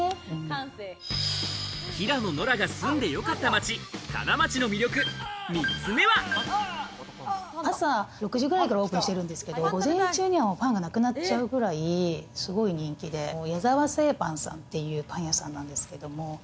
平野ノラが住んでよかった町、朝６時くらいからオープンしてるんですけど、午前中にはパンがなくなっちゃうくらいすごい人気で、やざわ製パンさんっていうパン屋さんなんですけど。